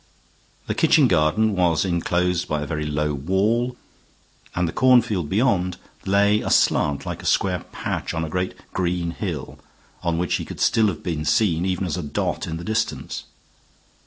The kitchen garden was inclosed by a very low wall, and the cornfield beyond lay aslant like a square patch on a great green hill on which he could still have been seen even as a dot in the distance.